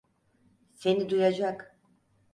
Seni duyacak.